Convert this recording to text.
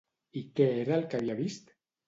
I què era el que havia vist?